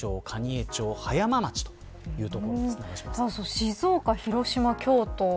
静岡、広島、京都